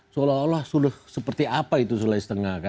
seolah olah sudah seperti apa itu soleh setengah